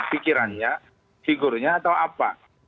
pikirannya figurnya atau apa